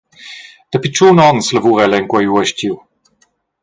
Dapi tschun onns lavura ella en quei uestgiu.